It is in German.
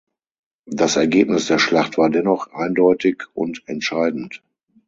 Das Ergebnis der Schlacht war dennoch eindeutig und entscheidend.